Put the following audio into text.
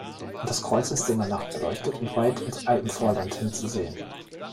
Das Kreuz ist in der Nacht beleuchtet und weit ins Alpenvorland hin zu sehen.